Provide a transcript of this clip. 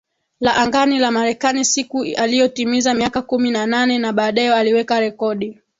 la Angani la Marekani siku aliyotimiza miaka kumi na nane na baadae aliweka rekodi